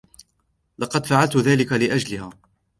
لقد فعلت ذلك لأجلها.